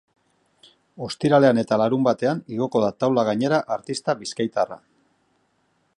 Ostiralean eta larunbatean igoko da taula gainera artista bizkaitarra.